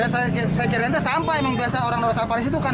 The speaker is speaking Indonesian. saya jelentas sampah emang biasa orang orang sampah disitu kan